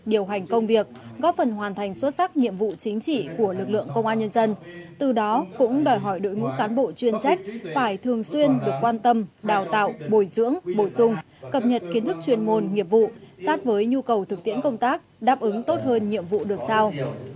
điều hành công việc góp phần hoàn thành xuất sắc nhiệm vụ chính trị của lực lượng công an nhân dân từ đó cũng đòi hỏi đội ngũ cán bộ chuyên trách phải thường xuyên được quan tâm đào tạo bồi dưỡng bổ sung cập nhật kiến thức chuyên môn nghiệp vụ sát với nhu cầu thực tiễn công tác đáp ứng tốt hơn nhiệm vụ được sao